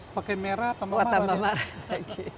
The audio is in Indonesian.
orang lagi marah pakai merah tambah marah